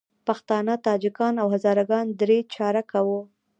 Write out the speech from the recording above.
پښتانه، تاجکان او هزاره ګان درې چارکه وو.